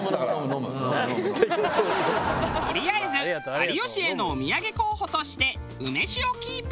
とりあえず有吉へのお土産候補として梅酒をキープ。